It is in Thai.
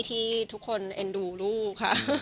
ที่ทุกคนเอ็นดูลูกค่ะ